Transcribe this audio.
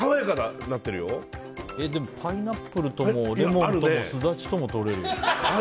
でもパイナップルともレモンともスダチともとれるよ。